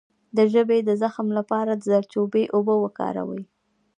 د ژبې د زخم لپاره د زردچوبې اوبه وکاروئ